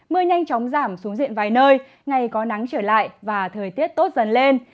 mưa nhanh chóng giảm xuống diện vài nơi ngày có nắng trở lại và thời tiết tốt dần lên